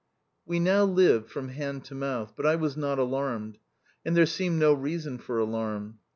We now lived from hand to mouth, but I was not alarmed ; and there seemed no reason for alarm.